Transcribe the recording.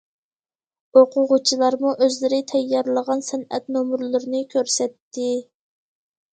ئوقۇغۇچىلارمۇ ئۆزلىرى تەييارلىغان سەنئەت نومۇرلىرىنى كۆرسەتتى.